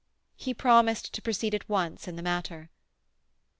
He promised to proceed at once in the matter.